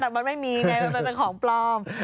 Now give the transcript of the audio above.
แต่มันไม่มีไงมันเป็นของปลอม